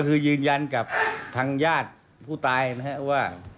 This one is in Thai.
ก็คือยืนยันกับทางญาติผู้ตายนะครับว่า